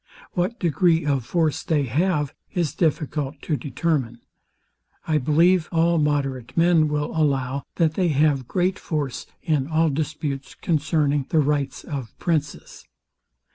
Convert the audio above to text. What degree of force they have is difficult to determine. I believe all moderate men will allow, that they have great force in all disputes concerning the rights of princes.